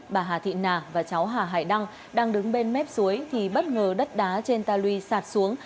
bà hà thị nà và cháu hà hải đăng đang đứng bên mép suối thì bất ngờ đất đá trên ta lui sạt xuống